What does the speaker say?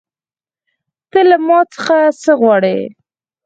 ته له ما څخه څه غواړې